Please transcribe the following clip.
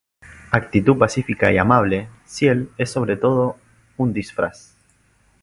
Actitud pacífica y amable Ciel es sobre todo un disfraz.